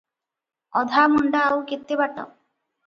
ଅଧାମୁଣ୍ଡା ଆଉ କେତେ ବାଟ?